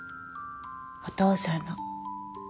お父さんの。